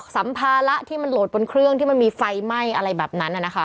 สัมภาระที่มันโหลดบนเครื่องที่มันมีไฟไหม้อะไรแบบนั้นนะคะ